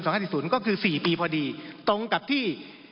สองห้าสี่ศูนย์ก็คือสี่ปีพอดีตรงกับที่